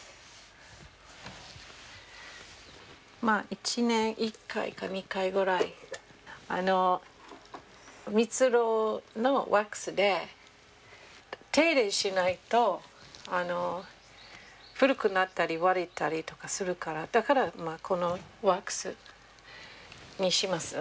１年に１回か２回ぐらい蜜蝋のワックスで手入れしないと古くなったり割れたりとかするからこのワックスにします。